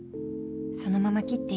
そのまま切っていい